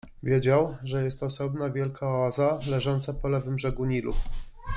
Wiedział, że jest to osobna, wielka oaza, leżąca po lewym brzegu Nilu.